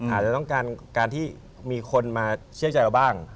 อาจจะต้องการการที่มีคนมาเชื่อใจเราบ้าง